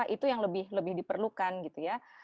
itu yang lebih diperlukan gitu ya